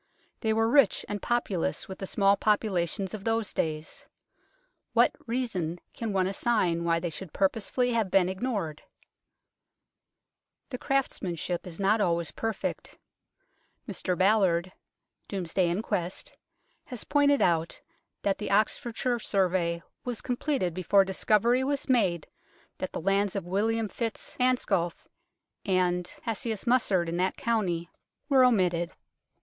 They were rich and populous with the small popula tions of those days. What reason can one assign why they should purposely have been ignored ? The craftsmanship is not always perfect. Mr Ballard (Domesday Inquest) has pointed out that the Oxfordshire survey was completed before discovery was made that the lands of William fitz Ansculf and Hascoius Musard in that county 8o UNKNOWN LONDON were omitted.